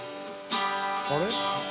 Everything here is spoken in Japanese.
あれ？）